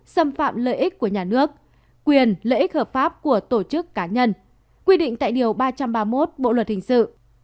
xâm phạm lợi ích của nhà nước quyền lợi ích hợp pháp của tổ chức cá nhân quy định tại điều ba trăm ba mươi một bộ luật hình sự